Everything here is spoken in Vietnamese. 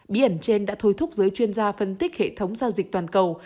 biển trên đã thôi thúc giới chuyên gia phân tích hệ thống giao dịch toàn cầu